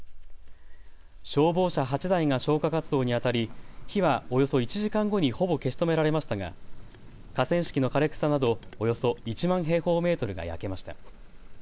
消防車８台が消火活動にあたり火はおよそ１時間後にほぼ消し止められましたが河川敷の枯れ草などおよそ１万平方メートルが焼けました。